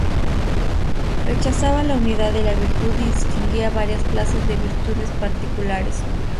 Rechazaba la unidad de la virtud y distinguía varias clases de virtudes particulares.